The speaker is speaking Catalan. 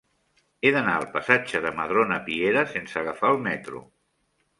He d'anar al passatge de Madrona Piera sense agafar el metro.